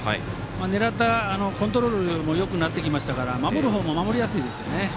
狙ったコントロールもよくなってきましたから守るほうも守りやすいですよね。